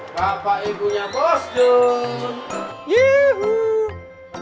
bapak ibunya bos jules